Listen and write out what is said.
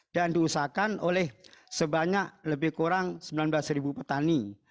dan diusahakan oleh sebanyak lebih kurang sembilan belas petani